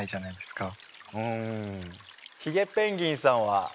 ひげペンギンさんは？